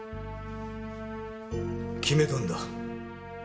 決めたんだ。